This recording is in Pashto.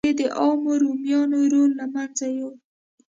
دې د عامو رومیانو رول له منځه یووړ